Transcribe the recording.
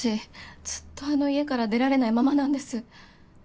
ずっとあの家から出られないままなんです。